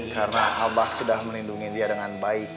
karena abah sudah menindungi dia dengan baik